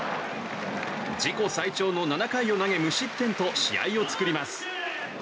自己最長の７回を投げ無失点と試合を作ります。